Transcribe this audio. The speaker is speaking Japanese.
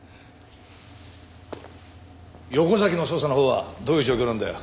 横崎の捜査のほうはどういう状況なんだよ？